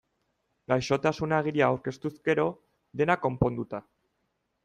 Gaixotasun-agiria aurkeztuz gero, dena konponduta.